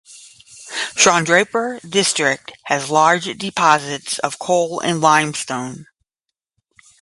Chandrapur district has large deposits of coal and lime stone.